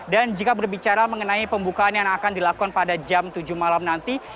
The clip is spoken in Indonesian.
dan jika berbicara mengenai pembukaan yang akan dilakukan pada jam tujuh malam nanti